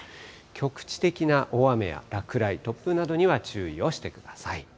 局地的な大雨や落雷、突風などには注意をしてください。